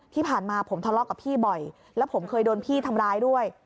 ที่ผ่านมาผมทะเลาะกับพี่บ่อยแล้วผมเคยโดนพี่ทำร้ายด้วย